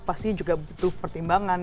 pasti juga butuh pertimbangan